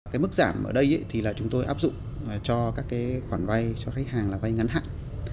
cái mức giảm ở đây thì là chúng tôi áp dụng cho các cái khoản vay cho khách hàng là vay ngắn hạn